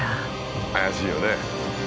怪しいよね。